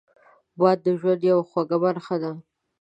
باد د ژوند یوه خوږه برخه ده